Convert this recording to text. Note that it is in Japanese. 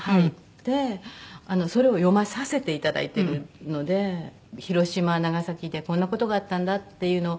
でそれを読まさせて頂いてるので広島長崎でこんな事があったんだっていうのを。